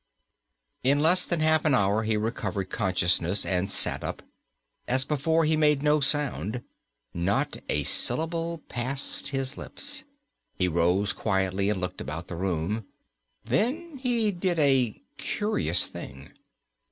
In less than half an hour he recovered consciousness and sat up. As before, he made no sound. Not a syllable passed his lips. He rose quietly and looked about the room. Then he did a curious thing.